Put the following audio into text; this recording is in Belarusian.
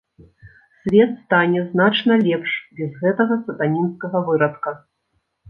Свет стане значна лепш без гэтага сатанінскага вырадка.